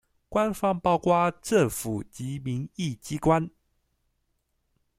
官方包括政府及民意機關